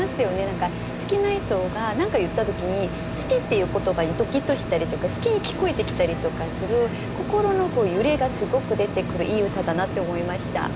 何か好きな人が何か言った時に「好き」っていう言葉にドキッとしたりとか「好き」に聞こえてきたりとかする心の揺れがすごく出てくるいい歌だなって思いました。